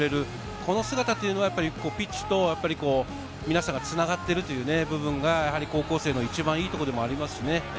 この姿というのはピッチと、皆さんがつながっているという部分が高校生の一番いい所でもありますからね。